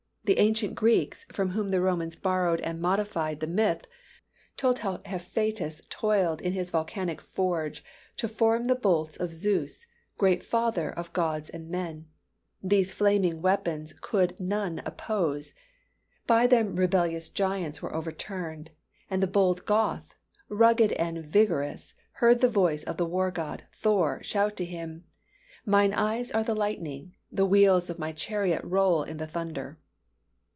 The ancient Greeks, from whom the Romans borrowed and modified the myth, told how Hephaistos toiled in his volcanic forge to form the bolts of Zeus, great father of gods and men. These flaming weapons could none oppose. By them rebellious giants were overturned. And the bold Goth, rugged and vigorous, heard the voice of the war god, Thor, shout to him: "Mine eyes are the lightning, The wheels of my chariot Roll in the thunder!"